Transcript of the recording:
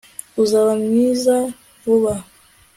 Uzaba mwiza vuba